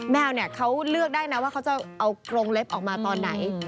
แมวเนี่ยเขาเลือกได้นะว่าเขาจะเอากรงเล็บออกมาตอนไหน